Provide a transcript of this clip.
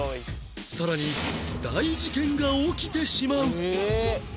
更に大事件が起きてしまう